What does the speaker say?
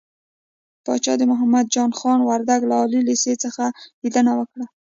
پاچا د محمد جان خان وردک له عالي لېسې څخه ليدنه وکړه .